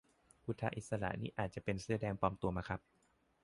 พุทธอิสระนี่อาจจะเป็นเสื้อแดงปลอมตัวมาครับ